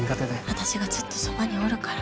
私がずっとそばにおるから。